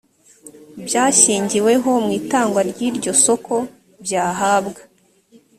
byashingiweho mu itangwa ry iryo soko byahabwa